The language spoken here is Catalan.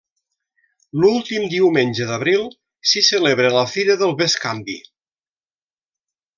L'últim diumenge d'abril s'hi celebra la Fira del Bescanvi.